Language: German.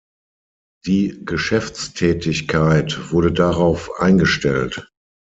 Die Geschäftstätigkeit wurde darauf eingestellt.